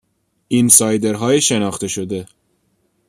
اینسایدرهای شناخته شده